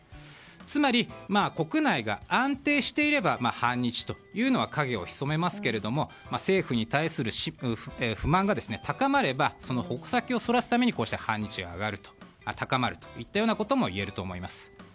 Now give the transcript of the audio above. つまり、国内が安定していれば反日というのは影をひそめますけど政府に対する不満が高まればその矛先をそらすために反日が高まるといったことも言えると思います。